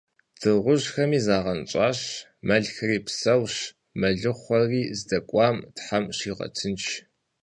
Дыгъужьхэми загъэнщӏащ, мэлхэри псэущ, мэлыхъуэри здэкӏуам Тхьэм щигъэтынш.